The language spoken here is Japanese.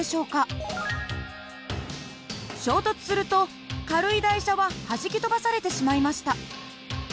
衝突すると軽い台車ははじき飛ばされてしまいました。